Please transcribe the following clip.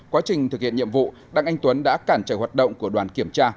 quá trình thực hiện nhiệm vụ đặng anh tuấn đã cản trời hoạt động của đoàn kiểm tra